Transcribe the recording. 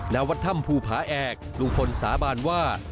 นาวัดธรรมภูผาแอกลุงพลสาบานว่า